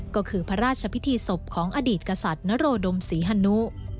ก็คือพระราชพิธีศพของอดีตกษัตริย์นโรดมศรีฮนุ